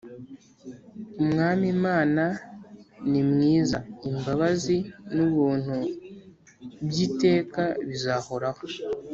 Umwam’ Imana ni mwizaImbabazi n’ ubuntu byeIteka bizahoraho